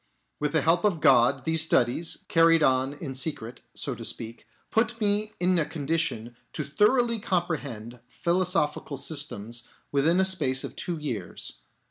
With the help of God, these studies, carried on in secret, so to speak, put me in a condition to thoroughly comprehend philosophical systems within a space of two years.